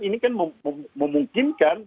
ini kan memungkinkan